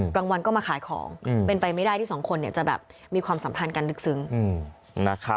กลางวันก็มาขายของเป็นไปไม่ได้ที่สองคนจะแบบมีความสัมพันธ์กันลึกซึ้งนะครับ